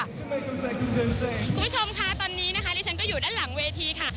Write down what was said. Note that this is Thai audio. คุณผู้ชมค่ะตอนนี้นะคะดิฉันก็อยู่ด้านหลังเวทีค่ะ